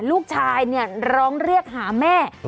ลูกชายเนี่ยร้องเรียกหาแม่